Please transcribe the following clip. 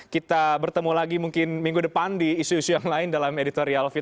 kita bertemu lagi mungkin minggu depan di isu isu yang lain dalam editorial view